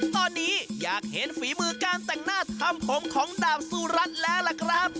ตอนนี้อยากเห็นฝีมือการแต่งหน้าทำผมของดาบสุรัตน์แล้วล่ะครับ